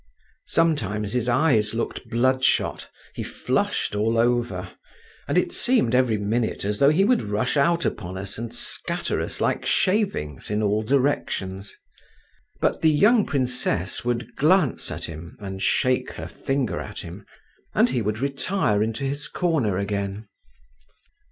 Sometimes his eyes looked bloodshot, he flushed all over, and it seemed every minute as though he would rush out upon us all and scatter us like shavings in all directions; but the young princess would glance at him, and shake her finger at him, and he would retire into his corner again.